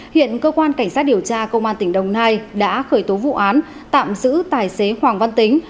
hiện cơ quan cảnh sát điều tra công an tỉnh đồng nai đã khởi tố vụ án tạm giữ tài xế hoàng văn tính